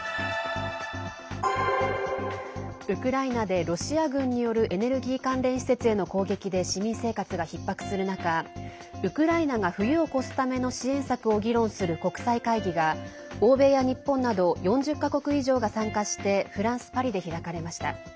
ウクライナで、ロシア軍によるエネルギー関連施設への攻撃で市民生活がひっ迫する中ウクライナが冬を越すための支援策を議論する国際会議が欧米や日本など４０か国以上が参加してフランス・パリで開かれました。